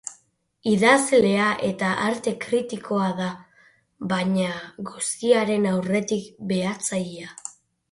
Idazlea eta arte kritikoa da, baina guztiaren aurretik, behatzailea.